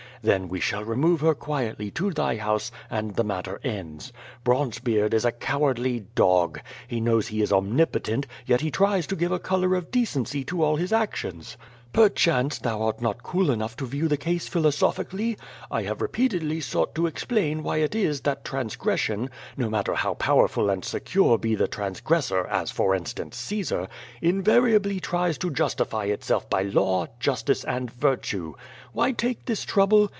Then we shall remove her quietly to thy house and the matter ends. Bronzebeard is a cowardly dog. He knows he is omnipotent, yet he tries to give a color of decency to all his actions. Perchance thou art not cool enough to view the case philosophically? I have repeatedly sought to explain why it is that transgression — no matter how powerful and secure be the transgressor, as for instance Caesar — ^invariably tries to justify itself by law, justice and virtue. Why take this trouble?